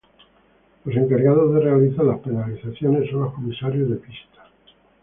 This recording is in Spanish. Los encargados de realizar las penalizaciones son los comisarios de pista.